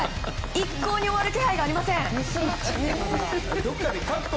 一向に終わる気配がありません。